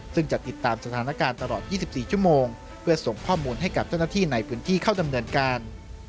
ซึ่งจะติดตามสถานการณ์ตลอด๒๔ชั่วโมงเพื่อส่งข้อมูลให้กับเจ้าหน้าที่ในพื้นที่เข้าดำเนินการ